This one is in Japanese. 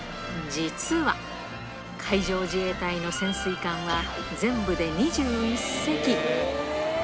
実は、海上自衛隊の潜水艦は全部で２１隻。